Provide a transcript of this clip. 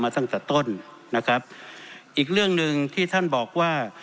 ตั้งแต่ต้นนะครับอีกเรื่องหนึ่งที่ท่านบอกว่า